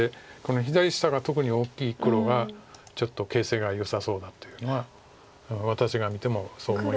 左下が特に大きい黒がちょっと形勢がよさそうだというのは私が見てもそう思います。